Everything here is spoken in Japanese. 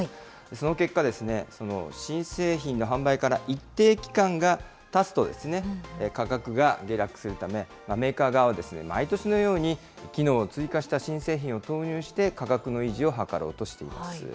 その結果、新製品の販売から一定期間がたつと、価格が下落するため、メーカー側は毎年のように機能を追加した新製品を投入して、価格の維持を図ろうとしています。